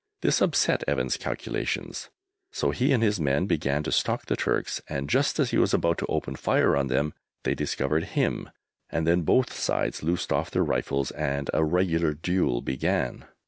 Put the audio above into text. This upset Evans' calculations, so he and his man began to stalk the Turks, and just as he was about to open fire on them they discovered him, and then both sides loosed off their rifles and a regular duel began.